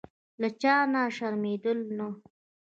له چا نه شرمېدل نه.